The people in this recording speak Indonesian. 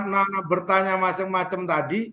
nana bertanya macam macam tadi